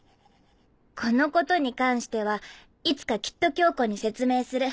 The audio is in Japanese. このことに関してはいつかきっと恭子に説明する。